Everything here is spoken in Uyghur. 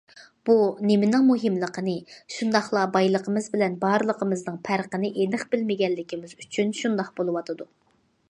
بۇ نېمىنىڭ مۇھىملىقىنى، شۇنداقلا بايلىقىمىز بىلەن بارلىقىمىزنىڭ پەرقىنى ئېنىق بىلمىگەنلىكىمىز ئۈچۈن شۇنداق بولۇۋاتىدۇ.